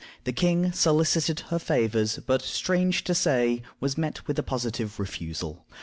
The king solicited her favors, but, strange to say, was met with a positive refusal.